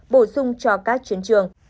bổ sung cho các chiến trường